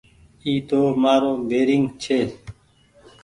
اي تو مآرو بيرينگ ڇي۔